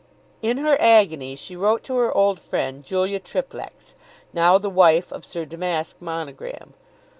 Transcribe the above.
In her agony she wrote to her old friend Julia Triplex, now the wife of Sir Damask Monogram.